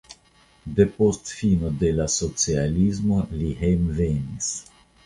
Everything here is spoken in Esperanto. Depost fino de la socialismo li hejmenvenis.